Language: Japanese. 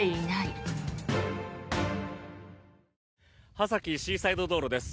波崎シーサイド道路です。